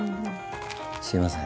すいません。